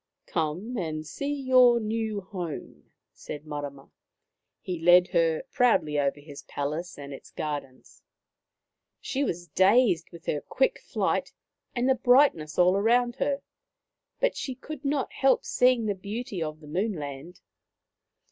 " Come and see your new home," said Marama. He led her proudly over his palace and its gardens. She was dazed with her quick flight and the brightness all around her, but she could not help seeing the beauty of the Moon land.